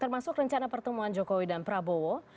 termasuk rencana pertemuan jokowi dan prabowo